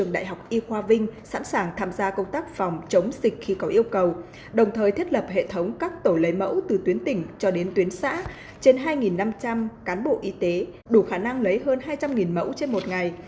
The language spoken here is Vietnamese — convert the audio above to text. đủ khả năng lấy hơn hai trăm linh mẫu trên một ngày